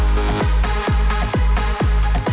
lu yang jepang